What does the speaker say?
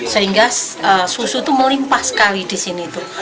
sehingga susu itu melimpah sekali di sini itu